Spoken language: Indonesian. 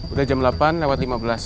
udah jam delapan lewat lima belas